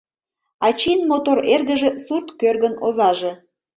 Ачийын мотор эргыже, сурт кӧргын озаже!..